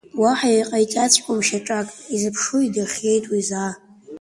Уаҳа иҟаиҵаҵәҟьом шьаҿак, изыԥшу идырхьеит уи заа…